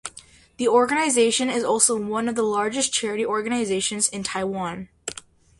The organization is also one of the largest charity organizations in Taiwan.